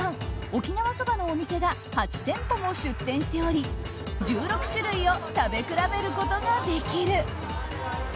沖縄そばのお店が８店舗も出店しており１６種類を食べ比べることができる。